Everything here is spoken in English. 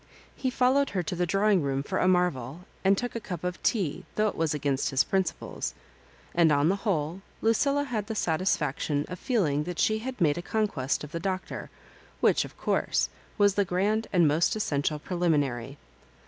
He followed her to the drawing room for a marvel, and took a cup of tea, though it was against his principles ; and, on the whole Lucilla had the satisfaction of feeling that she had made a conquest of the Doctor, which, of course, was the grand and most essential preliminary.